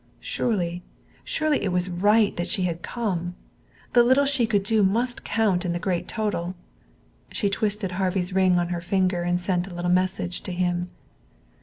Surely, surely it was right that she had come. The little she could do must count in the great total. She twisted Harvey's ring on her finger and sent a little message to him.